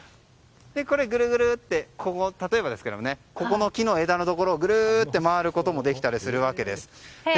ぐるぐると例えばここの木の枝のところをぐるっとできたりするわけです。